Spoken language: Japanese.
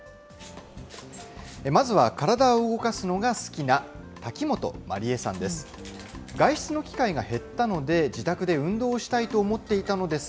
まずは体を動かすのが好きな滝本真理恵さんです。